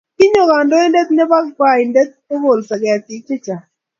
Kinyo kandoindet nebo ngwaidet kokolso ketik chechang